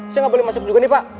saya nggak boleh masuk juga nih pak